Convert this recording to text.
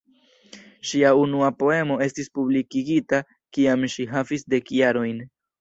Ŝia unua poemo estis publikigita kiam ŝi havis dek jarojn.